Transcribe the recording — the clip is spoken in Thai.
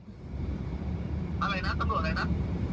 อะไรนะตำรวจอะไรนะ